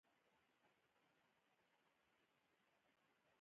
تازه ګلونه داسې ښکاریدل لکه طبیعت چې په خپله زما هرکلی کوي.